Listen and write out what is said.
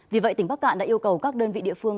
vì vậy tỉnh bắc cạn đã yêu cầu các đơn vị địa phương